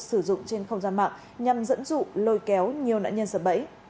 sử dụng trên không gian mạng nhằm dẫn dụ lôi kéo nhiều nạn nhân sập bẫy